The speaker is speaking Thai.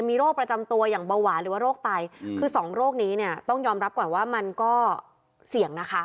มีโรคประจำตัวอย่างเบาหวานหรือว่าโรคไตคือสองโรคนี้เนี่ยต้องยอมรับก่อนว่ามันก็เสี่ยงนะคะ